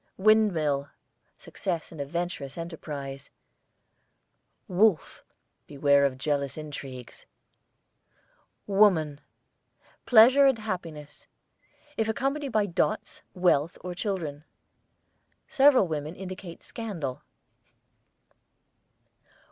WINDMILL, success in a venturous enterprise. WOLF, beware of jealous intrigues. WOMAN, pleasure and happiness; if accompanied by dots, wealth or children. Several women indicate scandal.